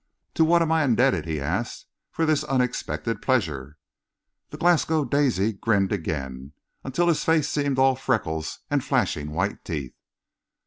"To what am I indebted," he asked, "for this unexpected pleasure?" The Glasgow Daisy grinned again, until his face seemed all freckles and flashing white teeth.